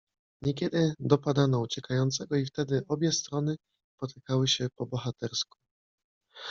Niekiedy dopadano uciekającego i wtedy obie strony potykały się po bohatersku.